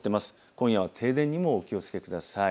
今夜は停電にもお気をつけください。